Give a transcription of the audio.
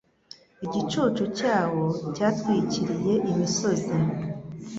Igicucu cyawo cyatwikiriye imisozi